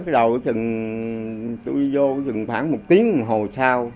đầu tôi vô khoảng một tiếng một hồi sau